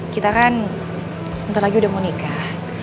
kita kan sebentar lagi udah mau nikah